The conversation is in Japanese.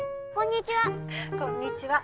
こんにちは。